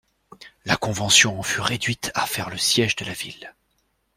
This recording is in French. La Convention en fut réduite à faire le siége de la ville.